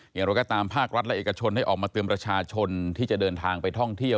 อย่างไรก็ตามภาครัฐและเอกชนได้ออกมาเตือนประชาชนที่จะเดินทางไปท่องเที่ยว